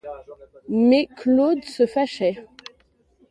Mais Claude se fâchait.